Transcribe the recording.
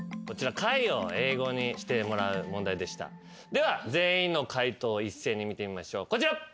では全員の解答一斉に見てみましょうこちら。